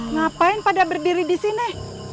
ngapain pada berdiri disini